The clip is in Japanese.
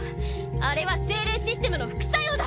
あれは精霊システムの副作用だ。